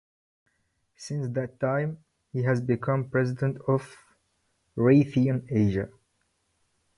Since that time, he has become president of Raytheon Asia.